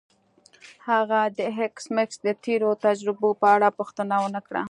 هغه د ایس میکس د تیرو تجربو په اړه پوښتنه ونه کړه